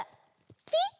ピッ！